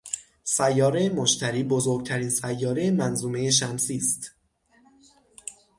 سیاره مشتری، بزرگترین سیاره منظومهٔ شمسی است